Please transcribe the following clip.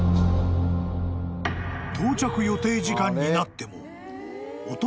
［到着予定時間になっても］